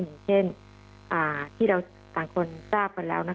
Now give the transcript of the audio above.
อย่างเช่นที่เราต่างคนทราบกันแล้ว